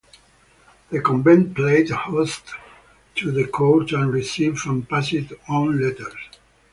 The convent played host to the court and received and passed on letters.